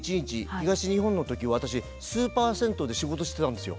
東日本の時私スーパー銭湯で仕事してたんですよ。